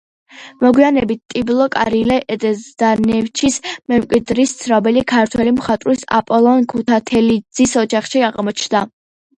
მოგვიანებით ტილო კირილე ზდანევიჩის მემკვიდრის, ცნობილი ქართველი მხატვრის აპოლონ ქუთათელაძის ოჯახში აღმოჩნდა.